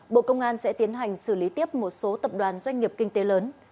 bộ công an sẽ tiến hành xử lý tiếp một số tập đoàn doanh nghiệp kinh tế lớn